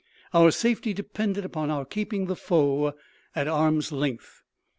Our safety depended upon our keeping the foe at arm's length.